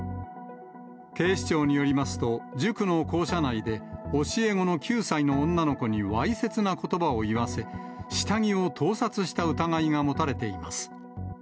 警視庁によりますと、塾の校舎内で、教え子の９歳の女の子にわいせつなことばを言わせ、下着を盗撮した疑いが持たれています。